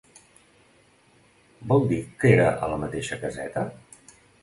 Vol dir que era a la mateixa caseta?